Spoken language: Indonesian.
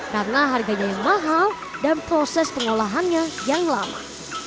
karena harganya yang mahal dan proses pengolahannya yang lama